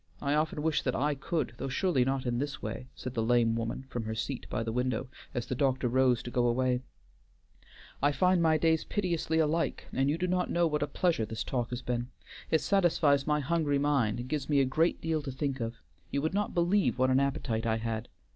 I often wish that I could, though surely not in this way," said the lame woman from her seat by the window, as the doctor rose to go away. "I find my days piteously alike, and you do not know what a pleasure this talk has been. It satisfies my hungry mind and gives me a great deal to think of; you would not believe what an appetite I had.